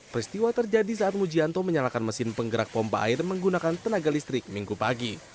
peristiwa terjadi saat mujianto menyalakan mesin penggerak pompa air menggunakan tenaga listrik minggu pagi